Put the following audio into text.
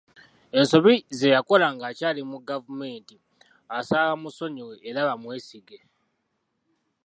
Ensobi ze yakola ng'akyali mu gavumenti, asaba bamusonyiwe era bamwesige.